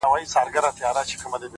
وخت د غفلت پټ قیمت اخلي